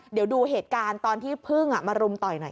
เดี๋ยวดูเหตุการณ์ตอนที่พึ่งมารุมต่อยหน่อย